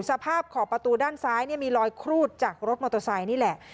ขอบประตูด้านซ้ายมีรอยครูดจากรถมอเตอร์ไซค์นี่แหละ